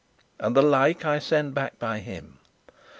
And the like I send back by him.